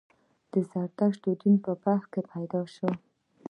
د زردشت دین په بلخ کې پیدا شو